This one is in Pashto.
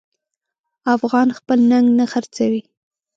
افغان خپل ننګ نه خرڅوي.